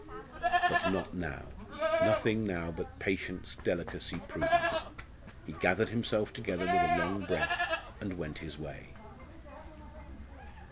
But not now, nothing now, but patience, delicacy, prudence. He gathered himself together with a long breath, and went his way.